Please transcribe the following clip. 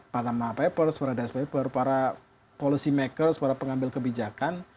para maha papers para desk paper para policy makers para pengambil kebijakan